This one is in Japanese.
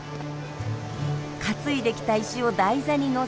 担いできた石を台座にのせたら。